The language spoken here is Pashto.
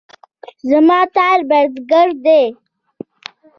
زما تره بزگر دی.